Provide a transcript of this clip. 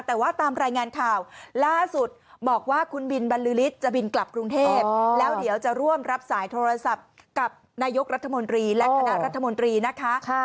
แต่ว่าตามรายงานข่าวล่าสุดบอกว่าคุณบินบรรลือฤทธิ์จะบินกลับกรุงเทพแล้วเดี๋ยวจะร่วมรับสายโทรศัพท์กับนายกรัฐมนตรีและคณะรัฐมนตรีนะคะ